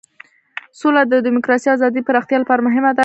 سوله د دموکراسۍ او ازادۍ پراختیا لپاره مهمه ده.